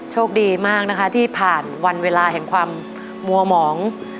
โชคดีมากนะคะที่ผ่านวันเวลาแห่งความมัวหมอง